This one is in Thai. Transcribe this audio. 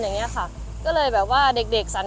สวัสดีครับที่ได้รับความรักของคุณ